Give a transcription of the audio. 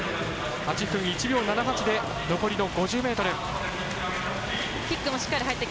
８分１秒７８で残りの５０ｍ。